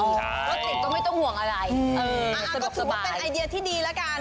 รถติดก็ไม่ต้องห่วงอะไรก็ถือว่าเป็นไอเดียที่ดีแล้วกัน